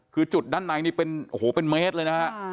คือจุดด้านในนี่เป็นโอ้โหเป็นเมตรเลยนะฮะ